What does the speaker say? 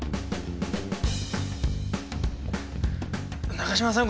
中島さん